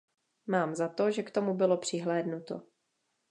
Mám za to, že k tomu bylo přihlédnuto.